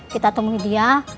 kita temui dia